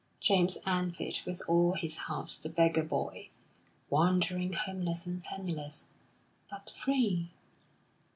James envied with all his heart the beggar boy, wandering homeless and penniless, but free.